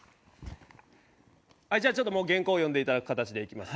じゃあちょっともう原稿読んでいただく形でいきます。